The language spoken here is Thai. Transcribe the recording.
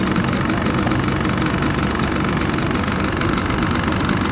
และมันกลายเป้าหมายเป้าหมายเป้าหมายเป้าหมาย